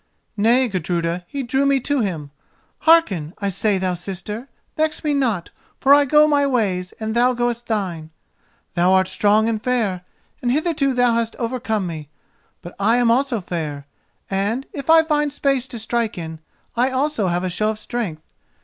"Nay, Gudruda, he drew me to him. Hearken, I say, thou sister. Vex me not, for I go my ways and thou goest thine. Thou art strong and fair, and hitherto thou hast overcome me. But I am also fair, and, if I find space to strike in, I also have a show of strength.